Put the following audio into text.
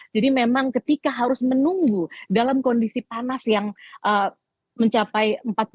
jadi memang ketika harus menunggu dalam kondisi panas yang mencapai empat puluh tiga